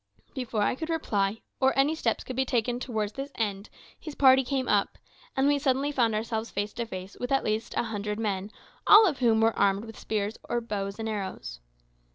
Before I could reply, or any steps could be taken towards this end, his party came up, and we suddenly found ourselves face to face with at least a hundred men, all of whom were armed with spears or bows and arrows.